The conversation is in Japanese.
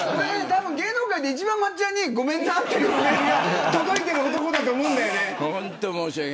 芸能界で一番、松ちゃんにごめんねってメールを届けてる男だと思うんだよね。